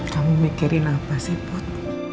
kamu mikirin apa sih pot